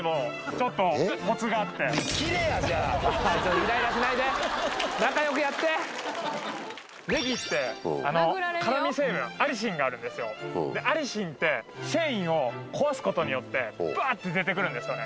イライラしないでねぎって辛味成分アリシンがあるんですよでアリシンって繊維を壊すことによってバアーって出てくるんですよね